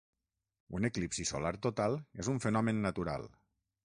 Un eclipsi solar total és un fenomen natural.